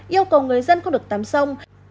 yêu cầu người dân không được tắm sông